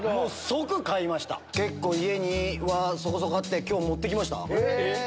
結構家にはそこそこあって今日持って来ました。